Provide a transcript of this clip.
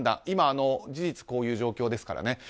今、事実こういう状況ですからね。